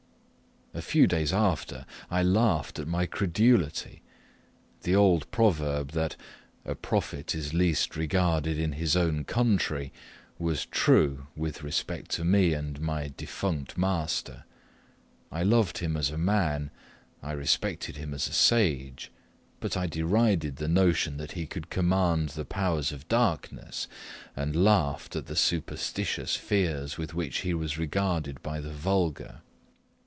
A few days after I laughed at my credulity. The old proverb, that "a prophet is least regarded in his own country," was true with respect to me and my defunct master. I loved him as a man I respected him as a sage but I derided the notion that he could command the powers of darkness, and laughed at the superstitious fears with which he was regarded by the vulgar.